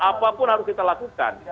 apapun harus kita lakukan